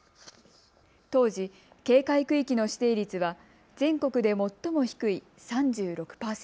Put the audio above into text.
当時、警戒区域の指定率は全国で最も低い３６％。